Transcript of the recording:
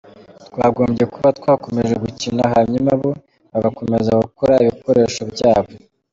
Twakagombye kuba twakomeje gukina hanyuma bo bagakomeza gukora ibikoresho byabo.